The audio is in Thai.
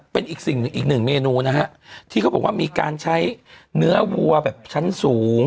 เป็นอีกสิ่งหนึ่งอีกหนึ่งเมนูนะฮะที่เขาบอกว่ามีการใช้เนื้อวัวแบบชั้นสูง